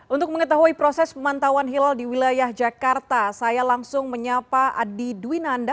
untuk mengetahui proses pemantauan hilal di wilayah jakarta saya langsung menyapa adi dwinanda